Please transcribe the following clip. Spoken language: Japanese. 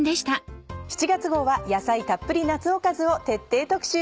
７月号は「野菜たっぷり夏おかず」を徹底特集！